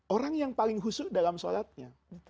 orang yang paling husu dalam solatnya